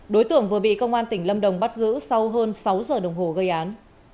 đối tượng vừa bị công an tỉnh lâm đồng bắt giữ sau hơn sáu giờ đồng hồ gây án